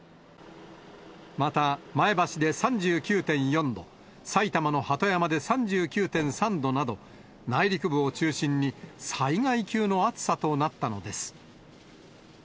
また、前橋で３９．４度、埼玉の鳩山で３９．３度など、内陸部を中心に災害級の暑さとなったのです。